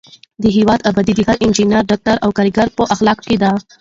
د هېواد ابادي د هر انجینر، ډاکټر او کارګر په اخلاص کې ده.